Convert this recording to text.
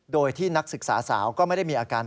โดยที่นักศึกษาสาวก็ไม่ได้มีอาการ